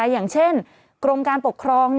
อย่างเช่นกรมการปกครอง